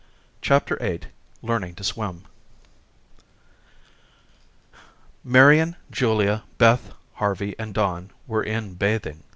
CHAPTER VIII Learning to Swim Marian, Julia, Beth, Harvey, and Don were in bathing.